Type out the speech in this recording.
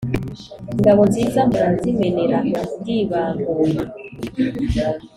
Ingabo nziza mpora nzimenera ndibanguye: